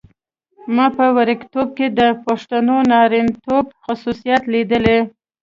ما په وړکتوب کې د پښتون نارینتوب خصوصیات لیدلي.